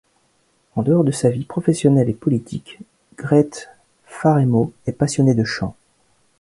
En dehors de sa vie professionnelle et politique, Grete Faremo est passionnée de chant.